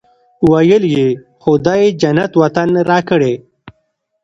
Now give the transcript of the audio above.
ویل یې خدای جنت وطن راکړی.